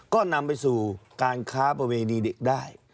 ก็นำไปสู่การค้าประเวณีเด็กได้